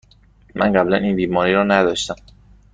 من قبلاً این بیماری را نداشتم.